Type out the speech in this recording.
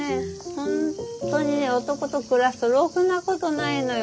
本当にね男と暮らすとろくなことないのよ。